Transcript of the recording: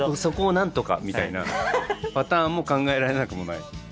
「そこをなんとか」みたいなパターンも考えられなくもない。